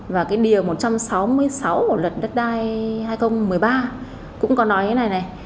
và cái điều một trăm sáu mươi sáu của luật đất đai hai nghìn một mươi ba cũng có nói thế này này